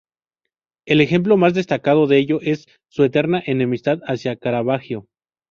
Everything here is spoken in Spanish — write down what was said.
El ejemplo más destacado de ello es su eterna enemistad hacia Caravaggio.